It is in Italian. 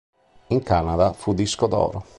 In Canada fu disco d'oro.